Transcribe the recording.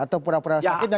atau pura pura sakitnya